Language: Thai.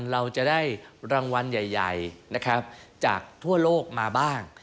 เราจะได้รางวัลใหญ่นะครับจากทั่วโลกมาบ้าง